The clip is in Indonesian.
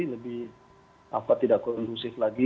lebih tidak kondusif lagi